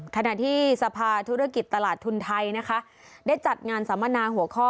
ขณะที่สภาธุรกิจตลาดทุนไทยนะคะได้จัดงานสัมมนาหัวข้อ